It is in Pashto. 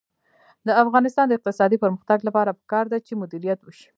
د افغانستان د اقتصادي پرمختګ لپاره پکار ده چې مدیریت وشي.